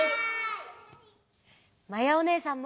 まやおねえさんも。